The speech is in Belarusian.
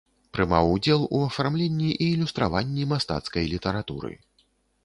Прымаў удзел у афармленні і ілюстраванні мастацкай літаратуры.